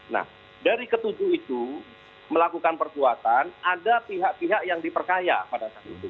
nah dari ketujuh itu melakukan perbuatan ada pihak pihak yang diperkaya pada saat itu